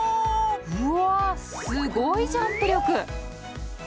うわすごいジャンプ力。